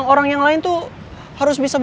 bapak mau belajar juga kabin nanti